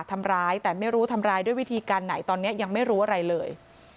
ทำร้ายแต่ไม่รู้ทำร้ายด้วยวิธีการไหนตอนนี้ยังไม่รู้อะไรเลย